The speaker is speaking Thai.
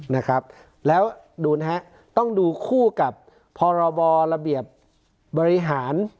นะครับแล้วดูนะฮะต้องดูคู่กับพรบระเบียบบริหาร